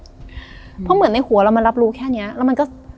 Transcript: เพราะเหมือนในหัวเรามันรับรู้แค่นี้แล้วมันก็